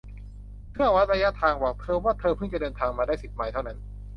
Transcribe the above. เครื่องวัดระยะทางบอกเธอว่าเธอพึ่งจะเดินทางมาได้สิบไมล์เท่านั้น